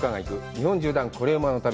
日本縦断コレうまの旅」。